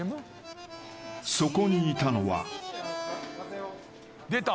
［そこにいたのは］